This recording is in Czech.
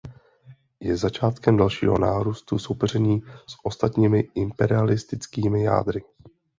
Je začátkem dalšího nárůstu soupeření s ostatními imperialistickými jádry.